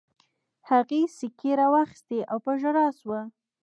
هغې سيکې را واخيستې او په ژړا شوه.